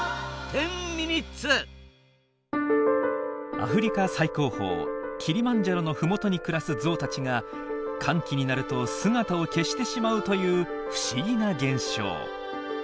アフリカ最高峰キリマンジャロのふもとに暮らすゾウたちが乾季になると姿を消してしまうという不思議な現象。